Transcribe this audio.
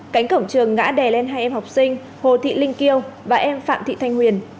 cánh cổng trường ngã đè lên hai em học sinh hồ thị linh kiều và em phạm thị thanh huyền